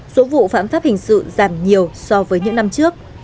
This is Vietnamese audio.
số vụ phạm pháp hình sự giảm nhiều so với những năm trước